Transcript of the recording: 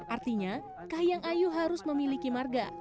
artinya kahiyang ayu harus memiliki marga